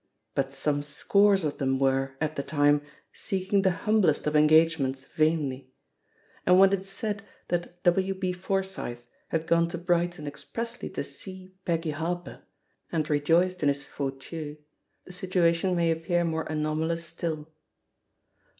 But some scores of them were, at the time, seeking the humblest of engagements vainly. And when it is said that W, B. Forsyth had gone to Brighton expressly to see Peggy Harper, and rejoiced in his fauteuil, the situation may appear more anomalous still.